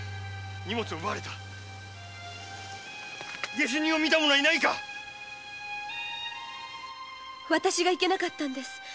荷物を奪われ下手人を見た者はいないか私がいけなかったんです。